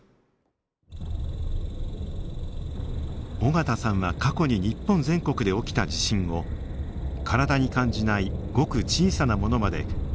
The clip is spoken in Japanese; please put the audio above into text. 尾形さんは過去に日本全国で起きた地震を体に感じないごく小さなものまでくまなく解析しました。